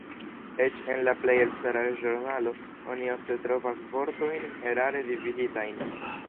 Eĉ en la plej elstara ĵurnalo oni ofte trovas vortojn erare dividitajn.